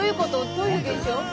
どういう現象？